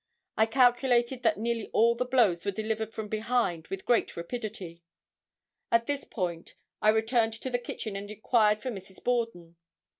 I calculated that nearly all the blows were delivered from behind with great rapidity. At this point I returned to the kitchen and inquired for Mrs. Borden.